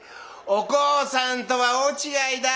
おこうさんとは大違いだ。